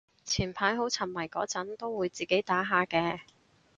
前排好沉迷嗰陣都會自己打下嘅